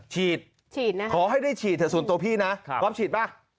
ฉีดนะขอให้ได้ฉีดเถอะส่วนตัวพี่นะพร้อมฉีดป่ะ